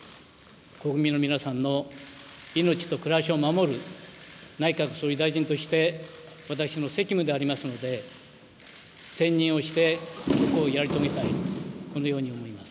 国民の皆さんの命と暮らしを守る内閣総理大臣として私の責務でありますので専念をしてここをやり遂げたい、このように思います。